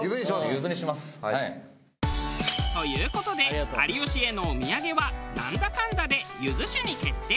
ゆずにしますはい。という事で有吉へのお土産はなんだかんだでゆず酒に決定。